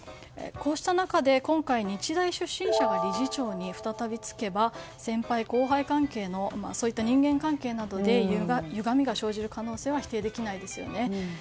こうした中で今回、日大出身者が理事に再び就けば先輩・後輩関係の人間関係などでゆがみが生じる可能性は否定できないですよね。